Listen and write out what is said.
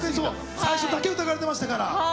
最初だけ疑われてましたから。